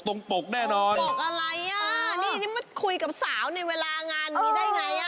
ตรงปกอะไรนี่มาคุยกับสาวในเวลางานมีได้อย่างไร